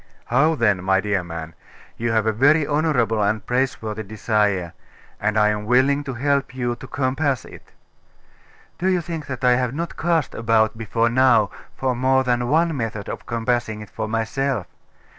'How then, my dear man! You have a very honourable and praiseworthy desire; and I am willing to help you to compass it.' 'Do you think that I have not cast about before now for more than one method of compassing it for myself?